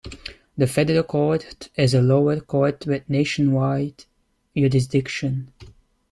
The Federal Court is a lower court with nationwide jurisdiction.